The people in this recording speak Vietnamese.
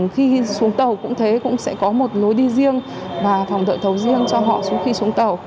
khi xuống tàu cũng thế cũng sẽ có một lối đi riêng và phòng đợi tàu riêng cho họ suốt khi xuống tàu